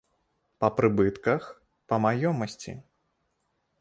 Па прыбытках, па маёмасці.